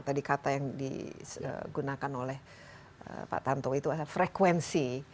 tadi kata yang digunakan oleh pak tanto itu adalah frekuensi